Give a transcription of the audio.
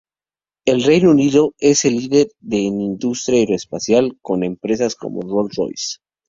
El Reino Unido es líder en industria aeroespacial, con empresas como "Rolls-Royce".